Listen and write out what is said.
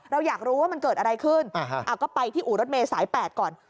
เราอยากรู้ว่ามันเกิดอะไรขึ้นก็ไปที่อู่รถเมย์สาย๘ก่อน